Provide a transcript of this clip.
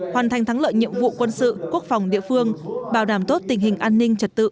hoàn thành thắng lợi nhiệm vụ quân sự quốc phòng địa phương bảo đảm tốt tình hình an ninh trật tự